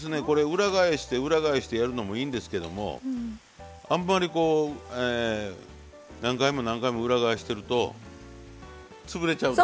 裏返して裏返してやるのもいいんですけどもあんまりこう何回も何回も裏返してるとつぶれちゃう。